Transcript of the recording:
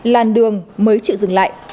làn đường mới chịu dừng lại